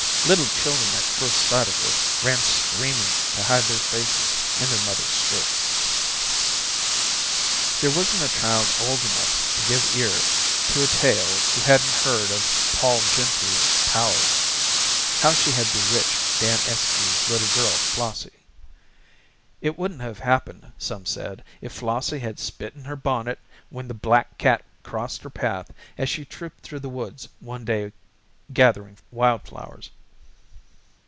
Little children at first sight of her ran screaming to hide their faces in their mother's skirts. There wasn't a child old enough to give ear to a tale who hadn't heard of Pol Gentry's powers. How she had bewitched Dan Eskew's little girl Flossie. It wouldn't have happened, some said, if Flossie had spit in her bonnet when the black cat crossed her path as she trooped through the woods one day gathering wild flowers.